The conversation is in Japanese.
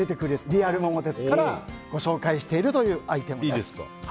リアル「桃鉄」からご紹介しているアイテムです。